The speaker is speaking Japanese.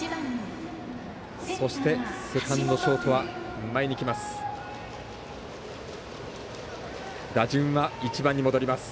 そして、セカンド、ショートは前に来ます。